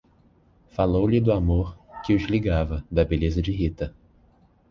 Falou-lhe do amor que os ligava, da beleza de Rita.